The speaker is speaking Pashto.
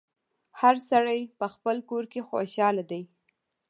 هر سړی په خپل کور کي خوشحاله دی